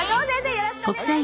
よろしくお願いします！